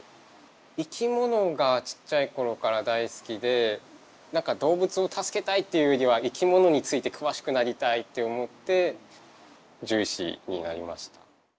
生き物がちっちゃい頃から大好きで何か動物を助けたい！っていうよりは生き物について詳しくなりたい！って思って獣医師になりました。